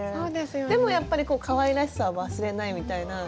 でもやっぱりかわいらしさは忘れないみたいな。